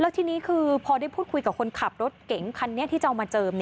ทีนี้คือพอได้พูดคุยกับคนขับรถเก๋งคันนี้ที่จะเอามาเจิม